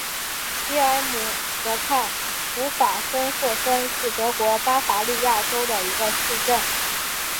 伊尔姆河畔普法芬霍芬是德国巴伐利亚州的一个市镇。